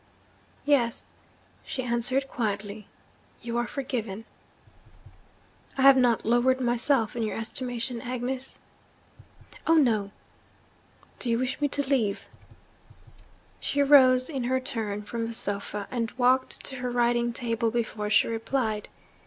'Yes,' she answered quietly, 'you are forgiven.' 'I have not lowered myself in your estimation, Agnes?' 'Oh, no!' 'Do you wish me to leave you?' She rose, in her turn, from the sofa, and walked to her writing table before she replied.